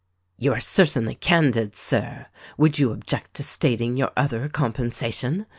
"You are certainly candid, Sir; would you object to stat ing your other compensation?"